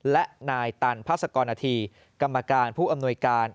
และนายตันพาสกรณฑีกรรมการผู้อำนวยการ